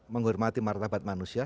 menghormati martabat manusia